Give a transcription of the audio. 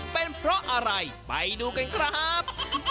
เป็นเพราะอะไรไปดูกันครับ